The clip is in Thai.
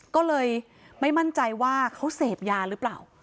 ก็เลยไม่มั่นใจว่าเขาเสพยาหรือเปล่า